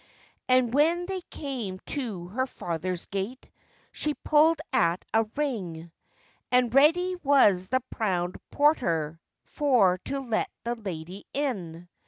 And when they came to her father's gate, She pullèd at a ring; And ready was the proud portèr For to let the lady in.